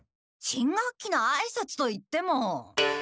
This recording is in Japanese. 新学期のあいさつといっても。